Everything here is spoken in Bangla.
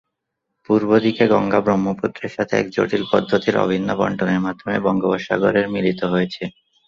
পূর্ব দিকে গঙ্গা ব্রহ্মপুত্রের সাথে এক জটিল পদ্ধতির অভিন্ন বণ্টনের মাধ্যমে বঙ্গোপসাগরের মিলিত হয়েছে।